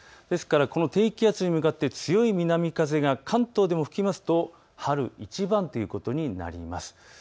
ですからこの低気圧に向かって強い南風が関東でも吹くと春一番ということになります。